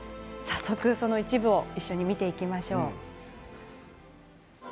その一部を一緒に見ていきましょう。